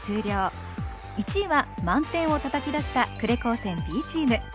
１位は満点をたたき出した呉高専Ｂチーム。